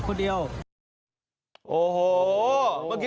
คืออะไรครับ